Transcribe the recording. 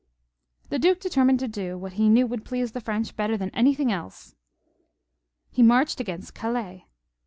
The duke settled to do what he knew would please the French better than anything else. He marched against Calais.